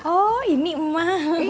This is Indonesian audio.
oh ini emak